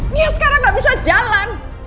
nia sekarang gak bisa jalan